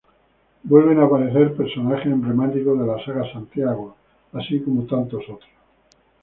Vuelven a aparecer personajes emblemáticos de la Saga Santiago, así como tantos otros.